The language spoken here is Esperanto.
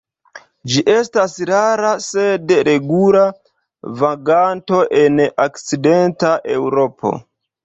Ĝi estas rara sed regula vaganto en okcidenta Eŭropo.